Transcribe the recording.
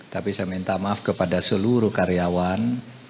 tapi saya minta maaf kepada seluruh karyawan